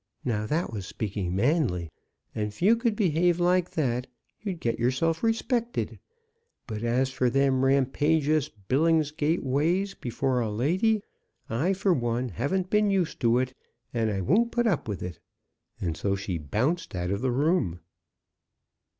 Now, that was speaking manly; and, if you could behave like that, you'd get yourself respected. But as for them rampagious Billingsgate ways before a lady, I for one haven't been used to it, and I won't put up with it!" And so she bounced out of the room.